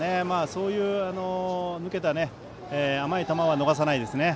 そういう抜けた甘い球は逃さないですね。